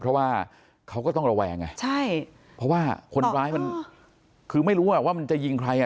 เพราะว่าเขาก็ต้องระแวงไงใช่เพราะว่าคนร้ายมันคือไม่รู้อ่ะว่ามันจะยิงใครอ่ะ